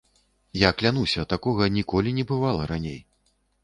Я клянуся, такога ніколі не бывала раней.